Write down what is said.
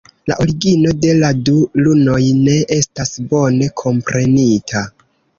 La origino de la du lunoj ne estas bone komprenita.